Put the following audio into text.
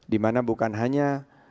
dimana bukan hanya